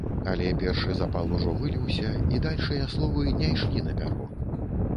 Але першы запал ужо выліўся, і дальшыя словы не ішлі на пяро.